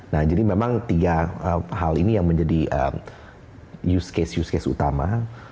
nah jadi memang tiga hal ini yang menjadi use case use case utama